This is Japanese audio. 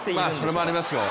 それもありますよ。